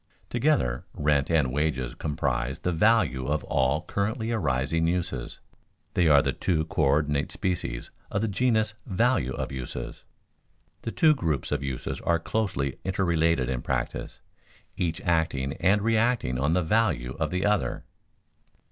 Together rent and wages comprise the value of all currently arising uses; they are the two coördinate species of the genus "value of uses." The two groups of uses are closely interrelated in practice, each acting and reacting on the value of the other.